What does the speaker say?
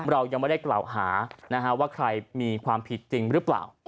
เรายังไม่ได้กล่าวหาว่าใครมีความผิดจริงหรือเปล่า